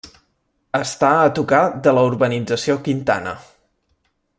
Està a tocar de la Urbanització Quintana.